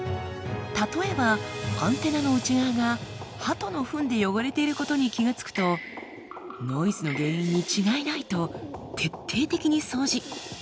例えばアンテナの内側がハトのふんで汚れていることに気が付くとノイズの原因に違いないと徹底的に掃除。